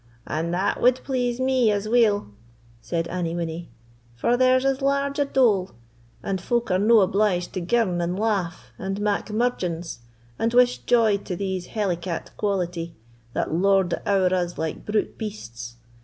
"And that wad please me as weel," said Annie Winnie; "for there's as large a dole, and folk are no obliged to girn and laugh, and mak murgeons, and wish joy to these hellicat quality, that lord it ower us like brute beasts.